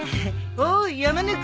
おーい山根君。